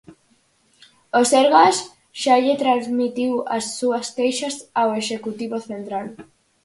O Sergas xa lle transmitiu as súas queixas ao executivo central.